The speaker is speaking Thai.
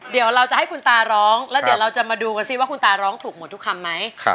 เดี๋ยวเราจะให้คุณตาร้องแล้วเดี๋ยวเราจะมาดูกันสิว่าคุณตาร้องถูกหมดทุกคำไหม